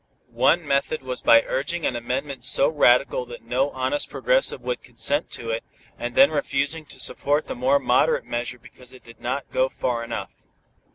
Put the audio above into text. One method was by urging an amendment so radical that no honest progressive would consent to it, and then refusing to support the more moderate measure because it did not go far enough.